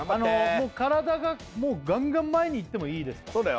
体がもうガンガン前に行ってもいいそうだよ